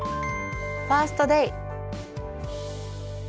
「ファースト・デイ」。